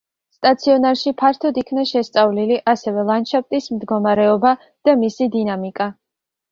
სტაციონარში ფართოდ იქნა შესწავლილი ასევე ლანდშაფტის მდგომარეობა და მისი დინამიკა.